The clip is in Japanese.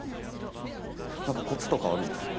なんかコツとかあるんですか？